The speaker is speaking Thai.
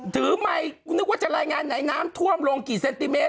ไมค์กูนึกว่าจะรายงานไหนน้ำท่วมลงกี่เซนติเมตร